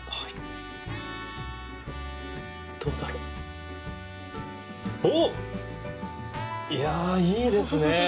いやいいですね。